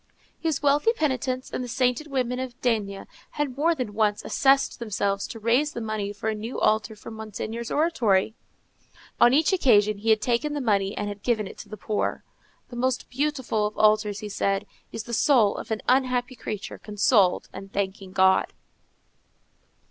His wealthy penitents and the sainted women of D—— had more than once assessed themselves to raise the money for a new altar for Monseigneur's oratory; on each occasion he had taken the money and had given it to the poor. "The most beautiful of altars," he said, "is the soul of an unhappy creature consoled and thanking God."